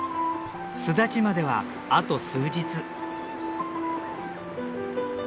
巣立ちまではあと数日。